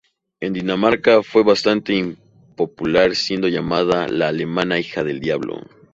En Dinamarca fue bastante impopular, siendo llamada "la alemana hija del diablo".